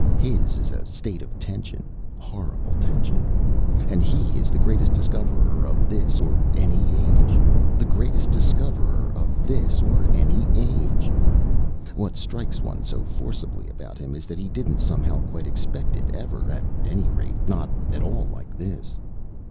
His is a state of tension horrible tension. And he is the Greatest Discoverer of This or Any Age the Greatest Discoverer of This or Any Age! What strikes one so forcibly about him is that he didn't somehow quite expect it ever, at any rate, not at all like this.